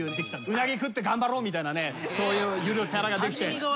うなぎ食って頑張ろうみたいなねそういうゆるキャラができて。